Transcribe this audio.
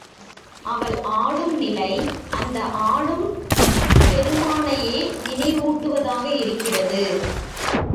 அவள் ஆடும் நிலை அந்த ஆடும் பெருமானையே நினைவூட்டுவதாக இருக்கிறது.